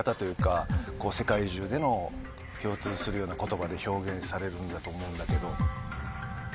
世界中での共通するような言葉で表現されるんだと思うんだけど。